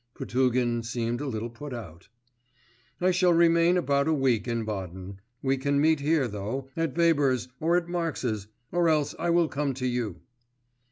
Potugin seemed a little put out. 'I shall remain about a week in Baden. We can meet here though, at Weber's or at Marx's, or else I will come to you.